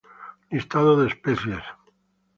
Listado de especies.